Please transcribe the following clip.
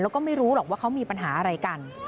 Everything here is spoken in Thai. แล้วก็ไม่รู้หรอกว่าเขามีปัญหาอะไรกัน